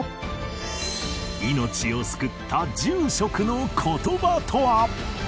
命を救った住職の言葉とは？